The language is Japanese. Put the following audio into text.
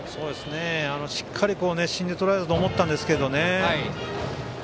しっかり芯でとらえたと思ったんですけどね。